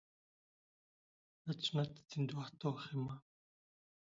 Та ч надад дэндүү хатуу байх юм.